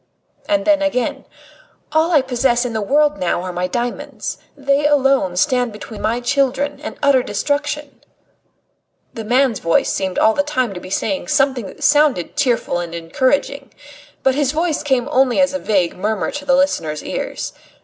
And then again: "All I possess in the world now are my diamonds. They alone stand between my children and utter destitution." The man's voice seemed all the time to be saying something that sounded cheerful and encouraging. But his voice came only as a vague murmur to the listener's ears.